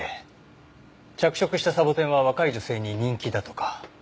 着色したサボテンは若い女性に人気だとか。